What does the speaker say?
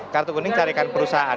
kartu kuning carikan perusahaan